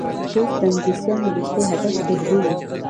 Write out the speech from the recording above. اوس د انګلیسیانو وروستی هدف ډهلی وو.